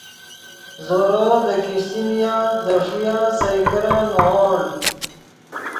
زورو دے کیشتی نیاست دے ݰویہ سئے کرن نیغوڑ